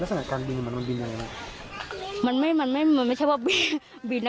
แล้วสักการณ์บินมันมันบินอะไรนะมันไม่มันไม่มันไม่ใช่ว่าบินนะ